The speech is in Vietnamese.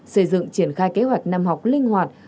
xây dựng triển khai kế hoạch năm học linh hoạt